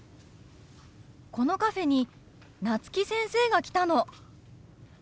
このカフェに夏木先生が来たの！